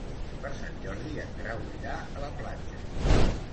Per Sant Jordi en Grau irà a la platja.